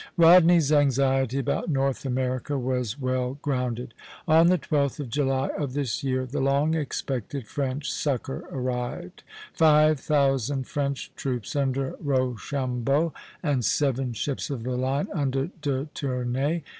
Rodney's anxiety about North America was well grounded. On the 12th of July of this year the long expected French succor arrived, five thousand French troops under Rochambeau and seven ships of the line under De Ternay.